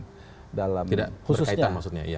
tidak berkaitan maksudnya